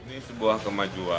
ini sebuah kemajuan